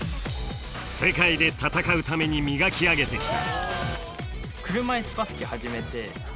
世界で戦うために磨き上げてきた。